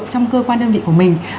trong cơ quan đơn vị của mình